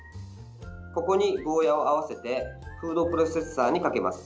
ここにゴーヤーを合わせてフードプロセッサーにかけます。